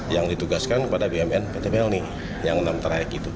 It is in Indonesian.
yang ditugaskan kepada bnptb yang enam traik itu